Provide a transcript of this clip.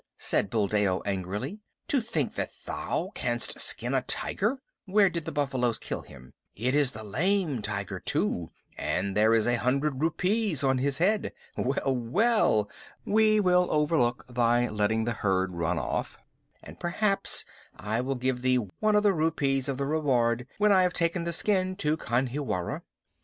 said Buldeo angrily. "To think that thou canst skin a tiger! Where did the buffaloes kill him? It is the Lame Tiger too, and there is a hundred rupees on his head. Well, well, we will overlook thy letting the herd run off, and perhaps I will give thee one of the rupees of the reward when I have taken the skin to Khanhiwara."